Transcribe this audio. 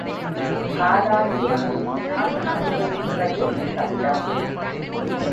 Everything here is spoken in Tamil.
காதாகிய பொறியினால் அநுபவிப்பது சப்தம்.